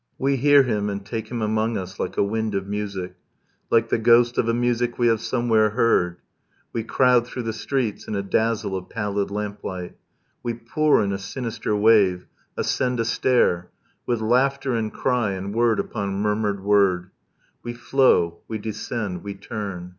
We hear him and take him among us, like a wind of music, Like the ghost of a music we have somewhere heard; We crowd through the streets in a dazzle of pallid lamplight, We pour in a sinister wave, ascend a stair, With laughter and cry, and word upon murmured word; We flow, we descend, we turn